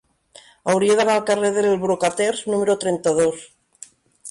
Hauria d'anar al carrer dels Brocaters número trenta-dos.